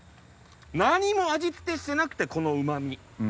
何も味付けしてなくてこのうまみ。